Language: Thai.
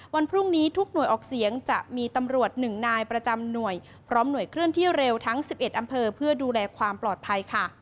วันพรุ่งนี้ทุกหน่วยออกเสียงจะมีตำรวจ๑นายประจำหน่วยพร้อมหน่วยเคลื่อนที่เร็วทั้ง๑๑อำเภอเพื่อดูแลความปลอดภัยค่ะ